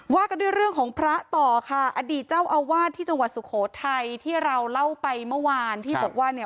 กันด้วยเรื่องของพระต่อค่ะอดีตเจ้าอาวาสที่จังหวัดสุโขทัยที่เราเล่าไปเมื่อวานที่บอกว่าเนี่ย